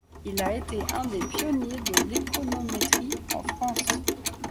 Il a été un des pionniers de l'économétrie en France.